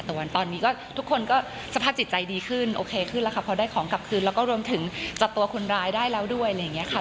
แต่ว่าตอนนี้ก็ทุกคนก็สภาพจิตใจดีขึ้นโอเคขึ้นแล้วค่ะพอได้ของกลับคืนแล้วก็รวมถึงจับตัวคนร้ายได้แล้วด้วยอะไรอย่างนี้ค่ะ